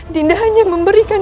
dinda hanya memberikan